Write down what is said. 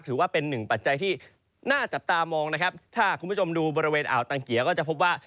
ถือว่าเป็นหนึ่งปัจจัยที่น่าจับตามองนะครับถ้าคุณผู้ชมดูบริเวณอ่าวตังเกียร์ก็จะพบว่า